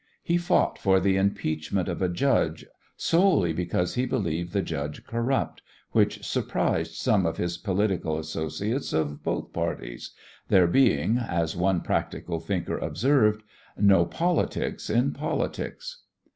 He fought for the impeachment of a judge solely because he believed the judge corrupt, which surprised some of his political associates of both parties, there being, as one practical thinker observed, "no politics in politics."